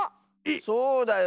そうだよ。